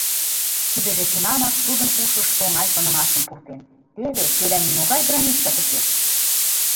Тидыже тунамак тудын ушыш оҥай шонымашым пуртен: «Теве кӧлан нимогай границат уке!..